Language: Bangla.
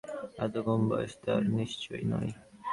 এত কম বয়স তার নিশ্চয় নয়।